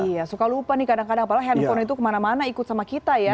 iya suka lupa nih kadang kadang padahal handphone itu kemana mana ikut sama kita ya